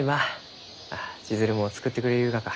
あ千鶴も作ってくれゆうがか？